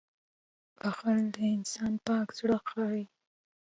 • بښل د انسان پاک زړه ښيي.